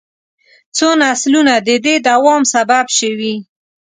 څو نسلونه د دې دوام سبب شوي.